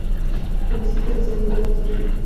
Municipio de Cedillo de la Torre.